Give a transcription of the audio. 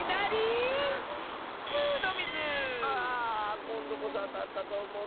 こんどこそあたったとおもったッス。